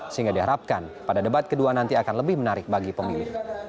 sehingga diharapkan pada debat kedua nanti akan lebih menarik bagi pemilih